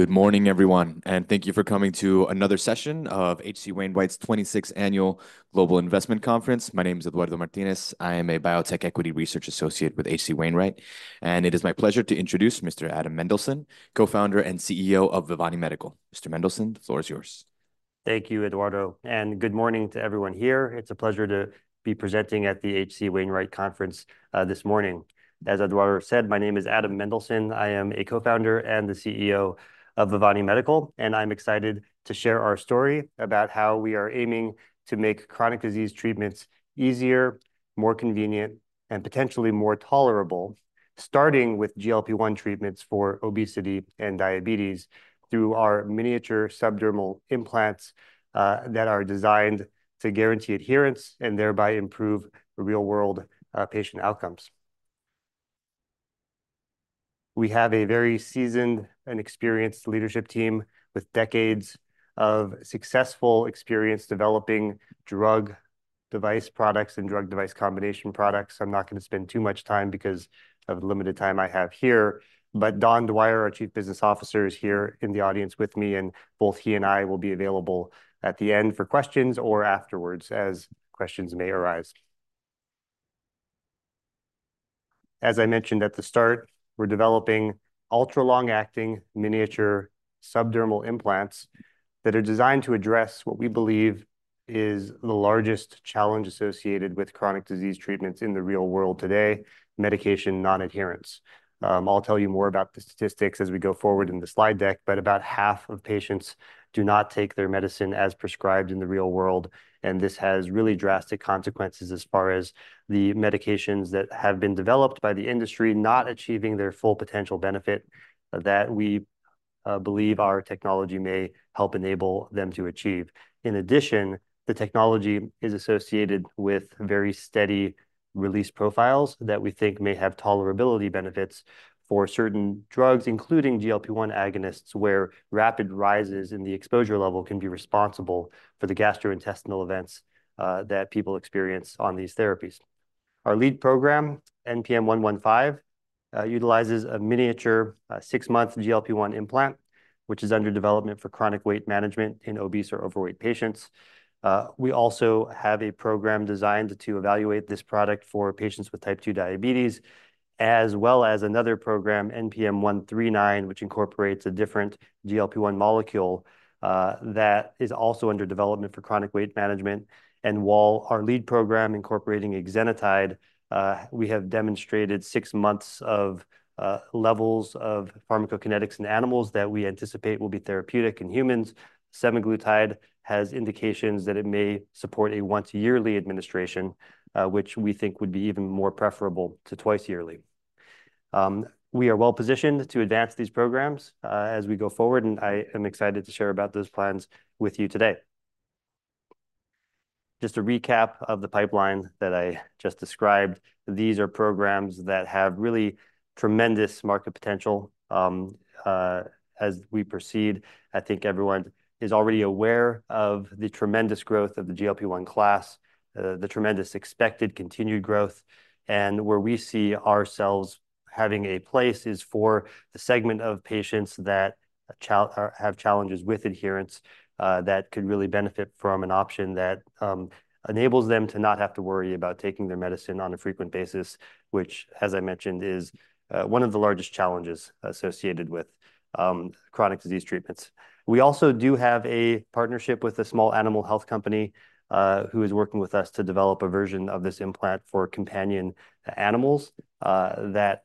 Good morning, everyone, and thank you for coming to another session of H.C. Wainwright's 26th Annual Global Investment Conference. My name is Eduardo Martinez. I am a biotech equity research associate with H.C. Wainwright, and it is my pleasure to introduce Mr. Adam Mendelsohn, Co-Founder and CEO of Vivani Medical. Mr. Mendelsohn, the floor is yours. Thank you, Eduardo, and good morning to everyone here. It's a pleasure to be presenting at the H.C. Wainwright Conference this morning. As Eduardo said, my name is Adam Mendelsohn. I am a Co-Founder and the CEO of Vivani Medical, and I'm excited to share our story about how we are aiming to make chronic disease treatments easier, more convenient, and potentially more tolerable. Starting with GLP-1 treatments for obesity and diabetes through our miniature subdermal implants that are designed to guarantee adherence and thereby improve real-world patient outcomes. We have a very seasoned and experienced leadership team with decades of successful experience developing drug-device products and drug-device combination products. I'm not going to spend too much time because of the limited time I have here, but Don Dwyer, our Chief Business Officer, is here in the audience with me, and both he and I will be available at the end for questions or afterwards as questions may arise. As I mentioned at the start, we're developing ultra-long-acting miniature subdermal implants that are designed to address what we believe is the largest challenge associated with chronic disease treatments in the real world today: medication non-adherence. I'll tell you more about the statistics as we go forward in the slide deck, but about half of patients do not take their medicine as prescribed in the real world, and this has really drastic consequences as far as the medications that have been developed by the industry not achieving their full potential benefit that we believe our technology may help enable them to achieve. In addition, the technology is associated with very steady release profiles that we think may have tolerability benefits for certain drugs, including GLP-1 agonists, where rapid rises in the exposure level can be responsible for the gastrointestinal events that people experience on these therapies. Our lead program, NPM-115, utilizes a miniature, six-month GLP-1 implant, which is under development for chronic weight management in obese or overweight patients. We also have a program designed to evaluate this product for patients with type 2 diabetes, as well as another program, NPM-139, which incorporates a different GLP-1 molecule, that is also under development for chronic weight management. And while our lead program incorporating exenatide, we have demonstrated six months of levels of pharmacokinetics in animals that we anticipate will be therapeutic in humans. Semaglutide has indications that it may support a once-yearly administration, which we think would be even more preferable to twice yearly. We are well-positioned to advance these programs, as we go forward, and I am excited to share about those plans with you today. Just a recap of the pipeline that I just described. These are programs that have really tremendous market potential. As we proceed, I think everyone is already aware of the tremendous growth of the GLP-1 class, the tremendous expected continued growth, and where we see ourselves having a place is for the segment of patients that have challenges with adherence, that could really benefit from an option that enables them to not have to worry about taking their medicine on a frequent basis, which, as I mentioned, is one of the largest challenges associated with chronic disease treatments. We also do have a partnership with a small animal health company who is working with us to develop a version of this implant for companion animals that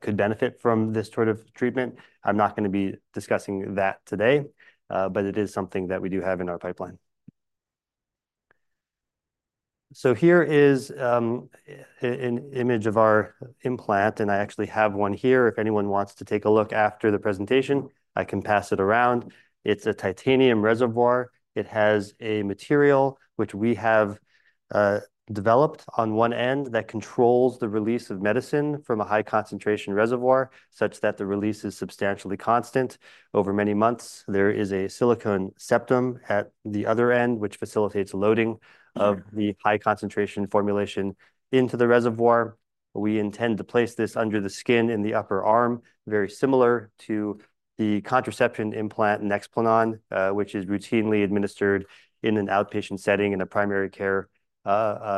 could benefit from this sort of treatment. I'm not going to be discussing that today, but it is something that we do have in our pipeline. So here is an image of our implant, and I actually have one here. If anyone wants to take a look after the presentation, I can pass it around. It's a titanium reservoir. It has a material which we have developed on one end that controls the release of medicine from a high-concentration reservoir, such that the release is substantially constant over many months. There is a silicone septum at the other end, which facilitates loading of the high-concentration formulation into the reservoir. We intend to place this under the skin in the upper arm, very similar to the contraception implant Nexplanon, which is routinely administered in an outpatient setting, in a primary care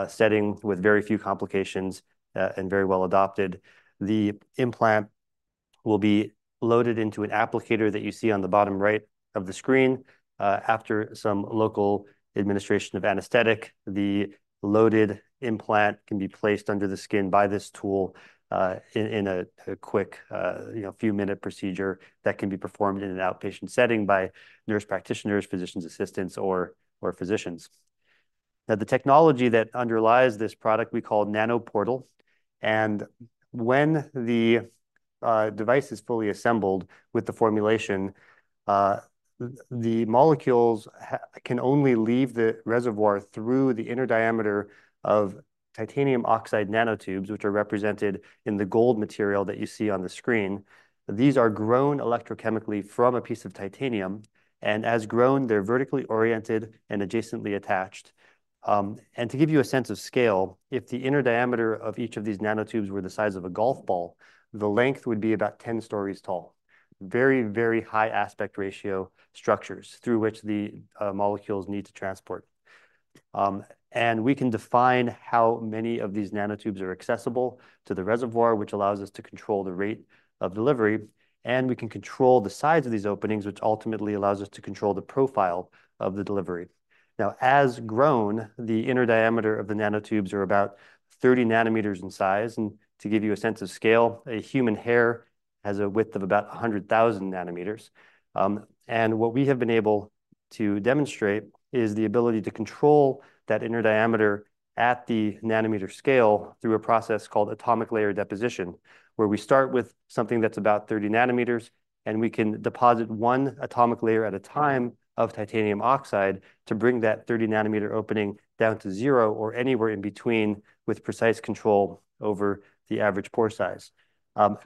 setting with very few complications, and very well-adopted. The implant will be loaded into an applicator that you see on the bottom right of the screen. After some local administration of anesthetic, the loaded implant can be placed under the skin by this tool in a quick, you know, few-minute procedure that can be performed in an outpatient setting by nurse practitioners, physician assistants, or physicians. Now, the technology that underlies this product we call NanoPortal, and when the device is fully assembled with the formulation, the molecules can only leave the reservoir through the inner diameter of titanium oxide nanotubes, which are represented in the gold material that you see on the screen. These are grown electrochemically from a piece of titanium, and as grown, they're vertically oriented and adjacently attached. To give you a sense of scale, if the inner diameter of each of these nanotubes were the size of a golf ball, the length would be about ten stories tall. Very, very high aspect ratio structures through which the molecules need to transport, and we can define how many of these nanotubes are accessible to the reservoir, which allows us to control the rate of delivery, and we can control the size of these openings, which ultimately allows us to control the profile of the delivery. Now, as grown, the inner diameter of the nanotubes are about thirty nanometers in size. And to give you a sense of scale, a human hair has a width of about one hundred thousand nanometers. And what we have been able to demonstrate is the ability to control that inner diameter at the nanometer scale through a process called atomic layer deposition, where we start with something that's about 30 nanometers, and we can deposit one atomic layer at a time of titanium oxide to bring that 30-nanometer opening down to zero or anywhere in between with precise control over the average pore size.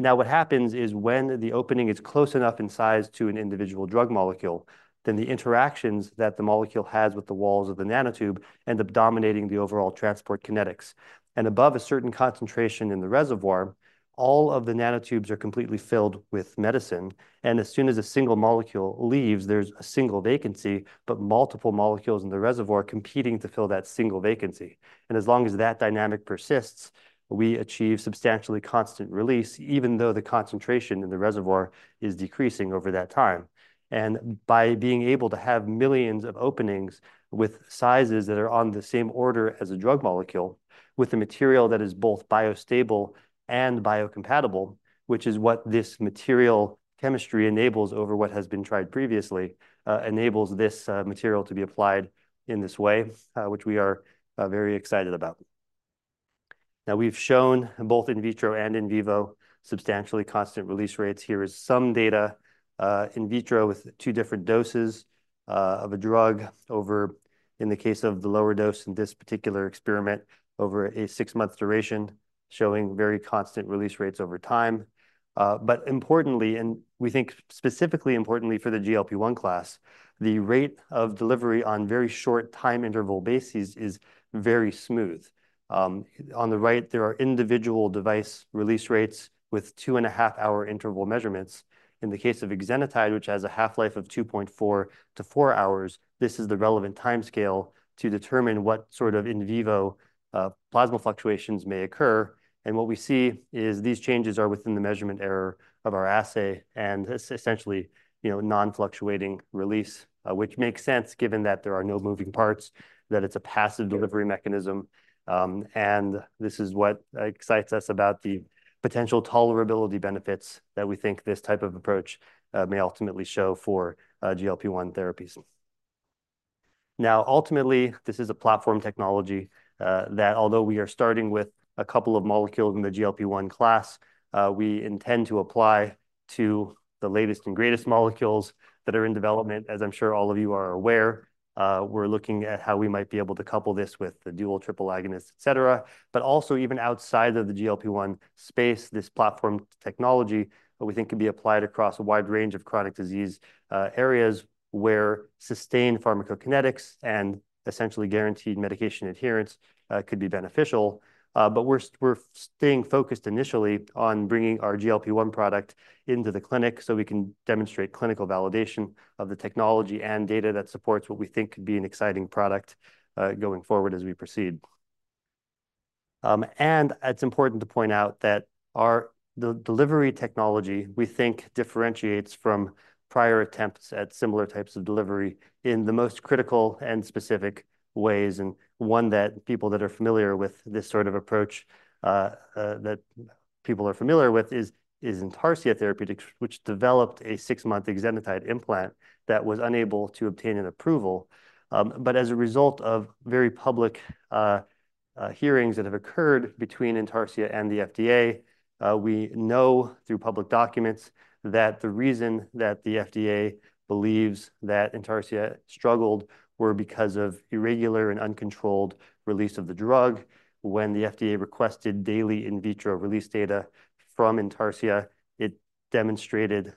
Now, what happens is when the opening is close enough in size to an individual drug molecule, then the interactions that the molecule has with the walls of the nanotube end up dominating the overall transport kinetics, and above a certain concentration in the reservoir, all of the nanotubes are completely filled with medicine, and as soon as a single molecule leaves, there's a single vacancy, but multiple molecules in the reservoir are competing to fill that single vacancy. And as long as that dynamic persists, we achieve substantially constant release, even though the concentration in the reservoir is decreasing over that time. And by being able to have millions of openings with sizes that are on the same order as a drug molecule, with a material that is both biostable and biocompatible, which is what this material chemistry enables over what has been tried previously, enables this material to be applied in this way, which we are very excited about. Now, we've shown, both in vitro and in vivo, substantially constant release rates. Here is some data, in vitro with two different doses of a drug over, in the case of the lower dose in this particular experiment, over a six-month duration, showing very constant release rates over time. But importantly, and we think specifically importantly for the GLP-1 class, the rate of delivery on very short time interval basis is very smooth. On the right, there are individual device release rates with 2.5 hour interval measurements. In the case of exenatide, which has a half-life of 2.4 to 4 hours, this is the relevant time scale to determine what sort of in vivo plasma fluctuations may occur. And what we see is these changes are within the measurement error of our assay, and essentially, you know, non-fluctuating release, which makes sense given that there are no moving parts, that it is a passive delivery mechanism. And this is what excites us about the potential tolerability benefits that we think this type of approach may ultimately show for GLP-1 therapies. Now, ultimately, this is a platform technology that although we are starting with a couple of molecules in the GLP-1 class, we intend to apply to the latest and greatest molecules that are in development. As I'm sure all of you are aware, we're looking at how we might be able to couple this with the dual, triple agonist, et cetera. But also, even outside of the GLP-1 space, this platform technology, we think, can be applied across a wide range of chronic disease areas where sustained pharmacokinetics and essentially guaranteed medication adherence could be beneficial. But we're staying focused initially on bringing our GLP-1 product into the clinic so we can demonstrate clinical validation of the technology and data that supports what we think could be an exciting product going forward as we proceed. And it's important to point out that our delivery technology, we think, differentiates from prior attempts at similar types of delivery in the most critical and specific ways, and one that people are familiar with is Intarcia Therapeutics, which developed a six-month exenatide implant that was unable to obtain an approval. But as a result of very public hearings that have occurred between Intarcia and the FDA, we know through public documents that the reason that the FDA believes that Intarcia struggled were because of irregular and uncontrolled release of the drug. When the FDA requested daily in vitro release data from Intarcia, it demonstrated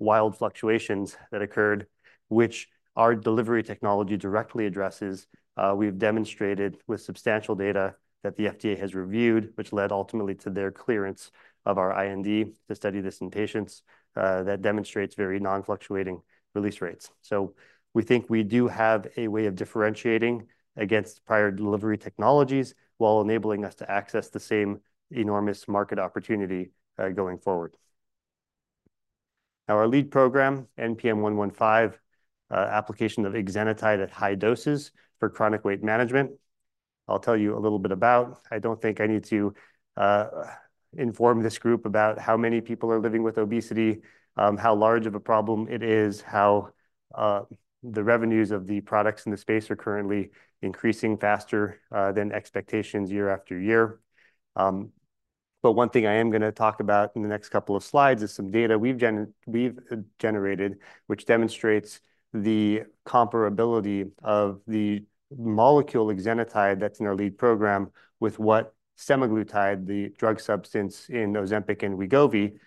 wild fluctuations that occurred, which our delivery technology directly addresses. We've demonstrated with substantial data that the FDA has reviewed, which led ultimately to their clearance of our IND to study this in patients, that demonstrates very non-fluctuating release rates. So we think we do have a way of differentiating against prior delivery technologies while enabling us to access the same enormous market opportunity, going forward. Now, our lead program, NPM-115, application of exenatide at high doses for chronic weight management. I'll tell you a little bit about... I don't think I need to inform this group about how many people are living with obesity, how large of a problem it is, how the revenues of the products in the space are currently increasing faster than expectations year after year. One thing I am gonna talk about in the next couple of slides is some data we've generated, which demonstrates the comparability of the molecule exenatide that's in our lead program, with what semaglutide, the drug substance in Ozempic and Wegovy,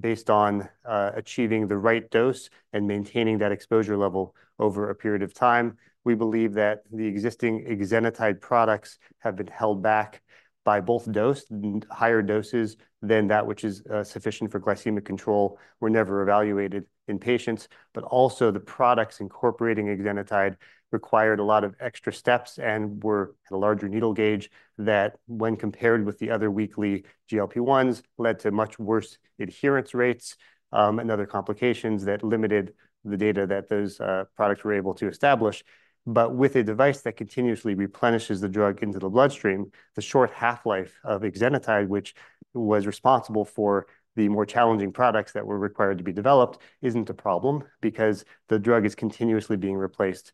based on achieving the right dose and maintaining that exposure level over a period of time. We believe that the existing exenatide products have been held back by both dose, higher doses than that which is sufficient for glycemic control, were never evaluated in patients. Also, the products incorporating exenatide required a lot of extra steps and were a larger needle gauge that, when compared with the other weekly GLP-1s, led to much worse adherence rates, and other complications that limited the data that those products were able to establish. But with a device that continuously replenishes the drug into the bloodstream, the short half-life of exenatide, which was responsible for the more challenging products that were required to be developed, isn't a problem because the drug is continuously being replaced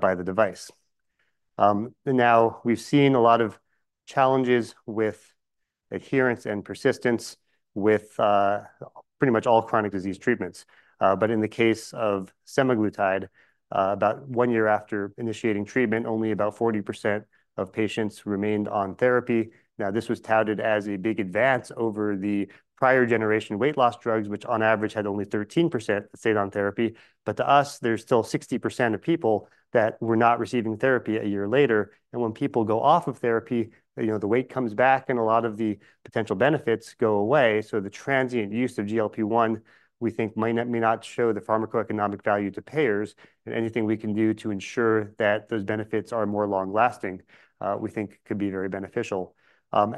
by the device. Now, we've seen a lot of challenges with adherence and persistence with pretty much all chronic disease treatments. But in the case of semaglutide, about one year after initiating treatment, only about 40% of patients remained on therapy. Now, this was touted as a big advance over the prior generation weight loss drugs, which on average had only 13% stay on therapy. But to us, there's still 60% of people that were not receiving therapy a year later. When people go off of therapy, you know, the weight comes back and a lot of the potential benefits go away. The transient use of GLP-1, we think, might not, may not show the pharmacoeconomic value to payers, and anything we can do to ensure that those benefits are more long-lasting, we think could be very beneficial.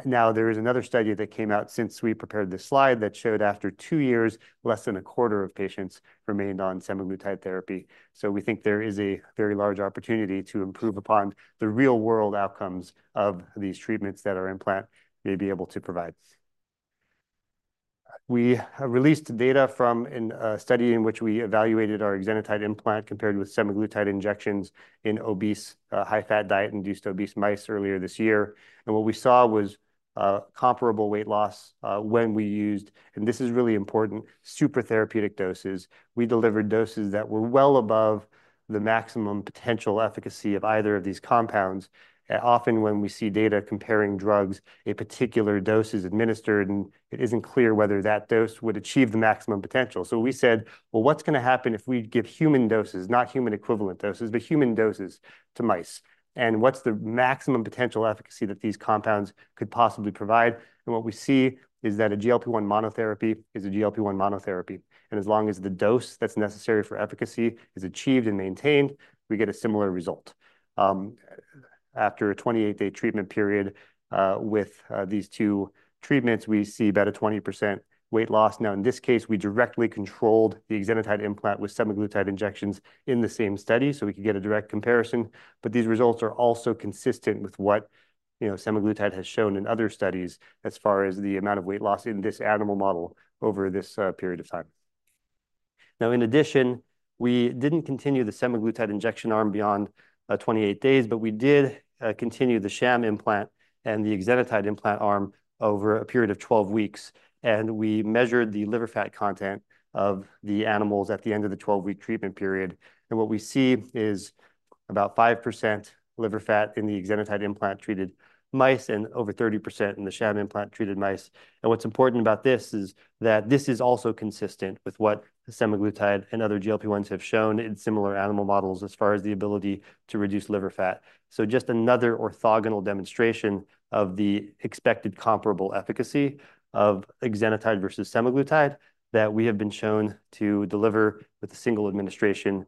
Now, there is another study that came out since we prepared this slide that showed after two years, less than a quarter of patients remained on semaglutide therapy. We think there is a very large opportunity to improve upon the real-world outcomes of these treatments that our implant may be able to provide. We have released data from a study in which we evaluated our exenatide implant compared with semaglutide injections in obese high-fat diet-induced obese mice earlier this year. And what we saw was, comparable weight loss, when we used, and this is really important, super therapeutic doses. We delivered doses that were well above the maximum potential efficacy of either of these compounds. Often, when we see data comparing drugs, a particular dose is administered, and it isn't clear whether that dose would achieve the maximum potential. So we said, "Well, what's gonna happen if we give human doses, not human equivalent doses, but human doses to mice? And what's the maximum potential efficacy that these compounds could possibly provide?" And what we see is that a GLP-1 monotherapy is a GLP-1 monotherapy, and as long as the dose that's necessary for efficacy is achieved and maintained, we get a similar result. After a twenty-eight-day treatment period, with these two treatments, we see about a 20% weight loss. Now, in this case, we directly controlled the exenatide implant with semaglutide injections in the same study, so we could get a direct comparison. But these results are also consistent with what, you know, semaglutide has shown in other studies as far as the amount of weight loss in this animal model over this period of time. Now, in addition, we didn't continue the semaglutide injection arm beyond 28 days, but we did continue the sham implant and the exenatide implant arm over a period of 12 weeks, and we measured the liver fat content of the animals at the end of the 12-week treatment period. And what we see is about 5% liver fat in the exenatide implant-treated mice and over 30% in the sham implant-treated mice. And what's important about this is that this is also consistent with what semaglutide and other GLP-1s have shown in similar animal models as far as the ability to reduce liver fat. So just another orthogonal demonstration of the expected comparable efficacy of exenatide versus semaglutide that we have been shown to deliver with a single administration,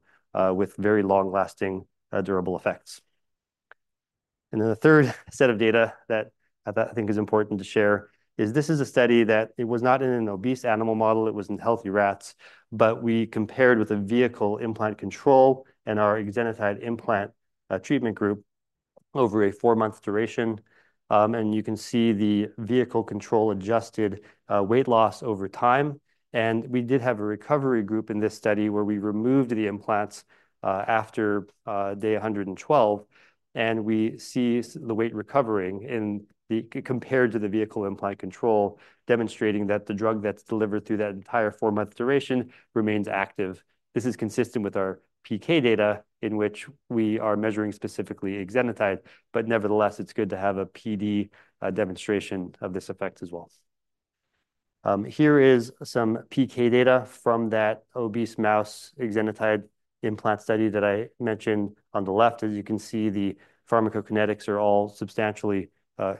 with very long-lasting, durable effects. And then the third set of data that I think is important to share is this is a study that it was not in an obese animal model, it was in healthy rats, but we compared with a vehicle implant control and our exenatide implant treatment group over a four-month duration. And you can see the vehicle control adjusted weight loss over time. We did have a recovery group in this study, where we removed the implants after day 112, and we see the weight recovering in the compared to the vehicle implant control, demonstrating that the drug that's delivered through that entire four-month duration remains active. This is consistent with our PK data, in which we are measuring specifically exenatide, but nevertheless, it's good to have a PD demonstration of this effect as well. Here is some PK data from that obese mouse exenatide implant study that I mentioned. On the left, as you can see, the pharmacokinetics are all substantially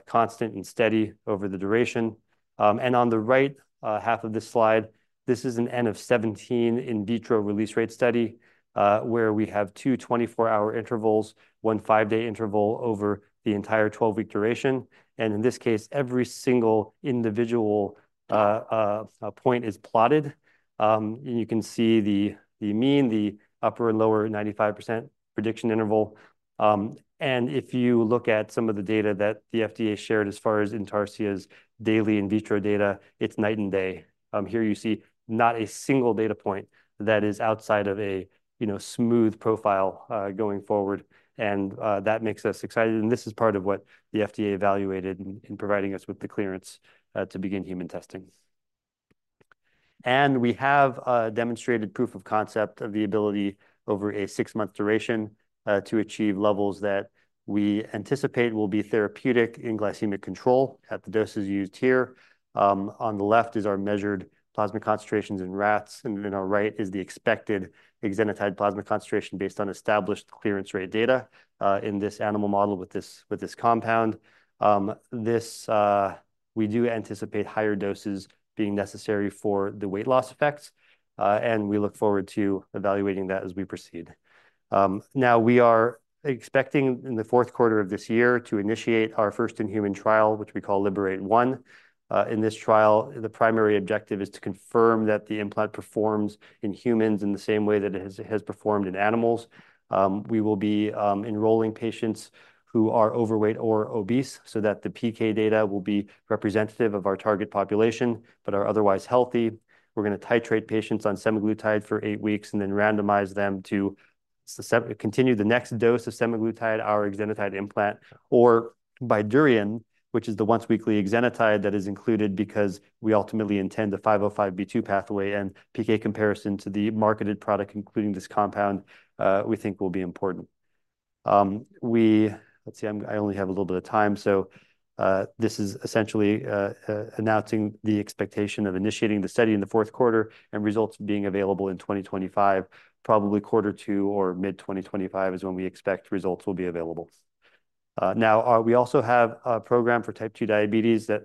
constant and steady over the duration. On the right half of this slide, this is an N of 17 in vitro release rate study, where we have two 24-hour intervals, one 5-day interval over the entire 12-week duration. And in this case, every single individual point is plotted. And you can see the mean, the upper and lower 95% prediction interval. And if you look at some of the data that the FDA shared as far as Intarcia's daily in vitro data, it's night and day. Here you see not a single data point that is outside of a, you know, smooth profile going forward, and that makes us excited. And this is part of what the FDA evaluated in providing us with the clearance to begin human testing and we have demonstrated proof of concept of the ability over a six-month duration to achieve levels that we anticipate will be therapeutic in glycemic control at the doses used here. On the left is our measured plasma concentrations in rats, and on our right is the expected exenatide plasma concentration based on established clearance rate data, in this animal model with this compound. We do anticipate higher doses being necessary for the weight loss effects, and we look forward to evaluating that as we proceed. Now, we are expecting in the fourth quarter of this year to initiate our first in-human trial, which we call LIBERATE-1. In this trial, the primary objective is to confirm that the implant performs in humans in the same way that it has performed in animals. We will be enrolling patients who are overweight or obese so that the PK data will be representative of our target population but are otherwise healthy. We're gonna titrate patients on semaglutide for eight weeks and then randomize them to continue the next dose of semaglutide, our exenatide implant, or Bydureon, which is the once weekly exenatide that is included, because we ultimately intend the 505(b)(2) pathway and PK comparison to the marketed product, including this compound. We think will be important. Let's see, I only have a little bit of time. This is essentially announcing the expectation of initiating the study in the fourth quarter, and results being available in twenty twenty-five. Probably quarter two or mid-twenty twenty-five is when we expect results will be available. Now, we also have a program for type 2 diabetes that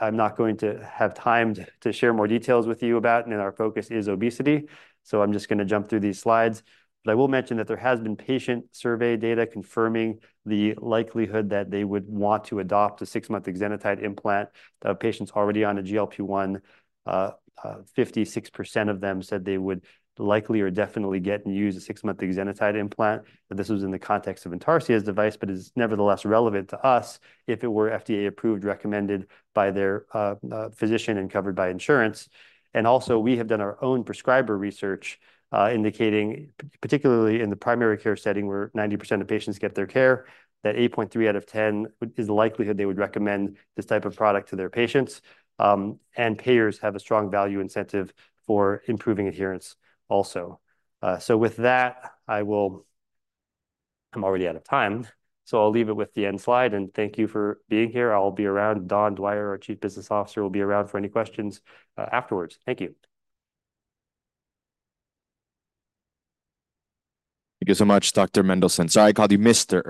I'm not going to have time to share more details with you about, and our focus is obesity, so I'm just gonna jump through these slides, but I will mention that there has been patient survey data confirming the likelihood that they would want to adopt a six-month exenatide implant. The patients already on a GLP-1, 56% of them said they would likely or definitely get and use a six-month exenatide implant, but this was in the context of Intarcia's device, but is nevertheless relevant to us if it were FDA approved, recommended by their physician, and covered by insurance. And also, we have done our own prescriber research, indicating, particularly in the primary care setting, where 90% of patients get their care, that 8.3 out of 10 is the likelihood they would recommend this type of product to their patients, and payers have a strong value incentive for improving adherence also, so with that, I will. I'm already out of time, so I'll leave it with the end slide, and thank you for being here. I'll be around. Don Dwyer, our Chief Business Officer, will be around for any questions, afterwards. Thank you. Thank you so much, Dr. Mendelsohn. Sorry, I called you Mister earlier.